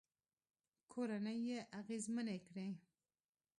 کورنۍ يې اغېزمنې کړې